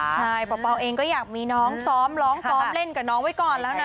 ใช่เป่าเองก็อยากมีน้องซ้อมร้องซ้อมเล่นกับน้องไว้ก่อนแล้วนะ